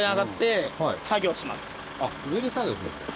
上で作業するんですね。